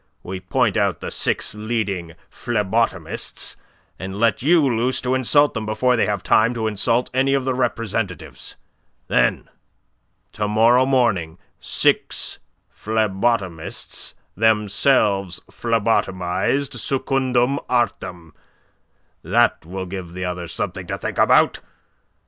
We point out the six leading phlebotomists, and let you loose to insult them before they have time to insult any of the representatives. Then to morrow morning, six phlebotomists themselves phlebotomized secundum artem. That will give the others something to think about.